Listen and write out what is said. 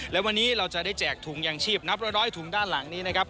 และวันนี้เราจะได้แจกถุงยางชีพนับร้อยถุงด้านหลังนี้นะครับ